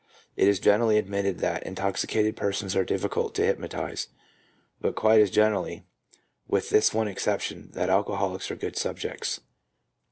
It is generally admitted that intoxicated persons are difficult to hypnotize, but quite as generally, with this one exception, that alcoholics are good subjects.